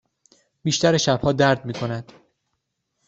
بیشتر شبها درد می کند.